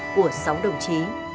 của sáu đồng chí